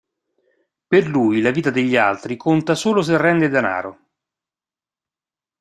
Per lui la vita degli altri conta solo se rende denaro.